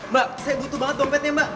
mbak saya butuh banget dompetnya mbak